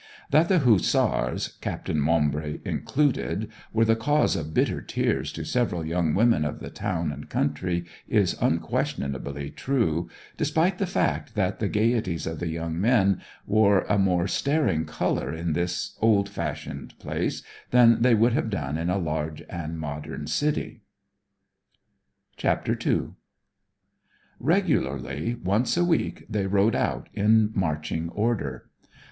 That the Hussars, Captain Maumbry included, were the cause of bitter tears to several young women of the town and country is unquestionably true, despite the fact that the gaieties of the young men wore a more staring colour in this old fashioned place than they would have done in a large and modern city. CHAPTER II Regularly once a week they rode out in marching order.